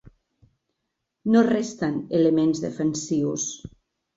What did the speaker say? No resten elements defensius.